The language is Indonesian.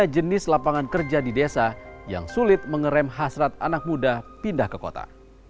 tiga jenis lapangan kerja di desa yang sulit mengerem hasrat anak muda pindah ke kota